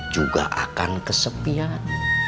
juga akan kesepian